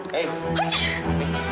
kamu kenapa sih